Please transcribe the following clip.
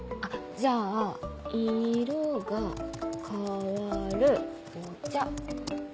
じゃあ「色が変わるお茶」。